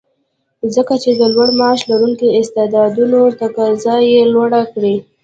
ځکه چې د لوړ معاش لرونکو استعدادونو تقاضا یې لوړه کړې